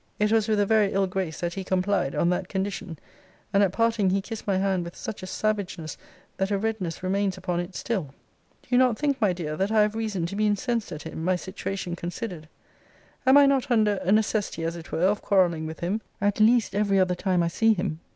It was with a very ill grace that he complied, on that condition; and at parting he kissed my hand with such a savageness, that a redness remains upon it still. Do you not think, my dear, that I have reason to be incensed at him, my situation considered? Am I not under a necessity, as it were, of quarrelling with him; at least every other time I see him?